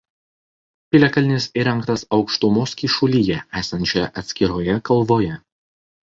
Piliakalnis įrengtas aukštumos kyšulyje esančioje atskiroje kalvoje.